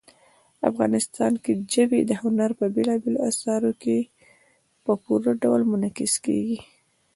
افغانستان کې ژبې د هنر په بېلابېلو اثارو کې په پوره ډول منعکس کېږي.